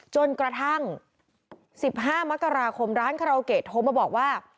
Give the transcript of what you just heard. จนกระทั่ง๑๕มกราคมร้านคาราโอเกะโทรมาบอกว่า